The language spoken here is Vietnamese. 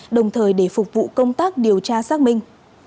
đồng thời để phục vụ công tác điều tra xác minh